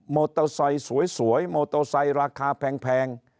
โตไซค์สวยมอเตอร์ไซค์ราคาแพง